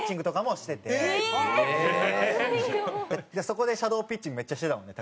そこでシャドーピッチングめっちゃしてたもんね